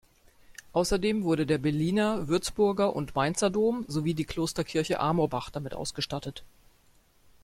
Außerdem wurden der Berliner, Würzburger und Mainzer Dom sowie die Klosterkirche Amorbach damit ausgestattet.